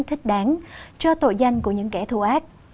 thích đáng cho tội danh của những kẻ thù ác